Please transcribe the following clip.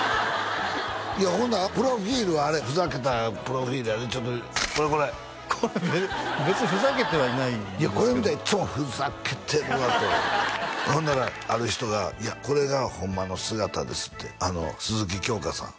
いやほんならプロフィールはあれふざけたプロフィールやでちょっとこれこれこれ別にふざけてはいないんですけどもいやこれ見たらいつもふざけてるわとほんならある人が「いやこれがホンマの姿です」って鈴木京香さん